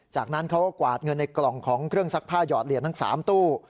จากนั้นเขาก็กวาดเงินในกล่องของเครื่องซักผ้าหยอดเหรียญทั้ง๓ตู้